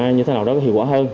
như thế nào đó có hiệu quả hơn